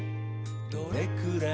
「どれくらい？